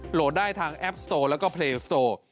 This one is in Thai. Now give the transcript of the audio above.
โหลดได้ทางแอปโตร์และก็เพลย์โตร์